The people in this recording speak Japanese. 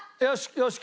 よし。